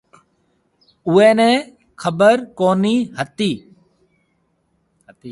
اُوئي نَي خبر ڪونهي هتي۔